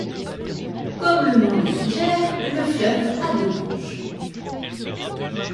Comme le nom le suggère, le fleuve a deux branches.